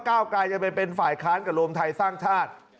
ก้าวกลายจะไปเป็นฝ่ายค้านกับรวมไทยสร้างชาติ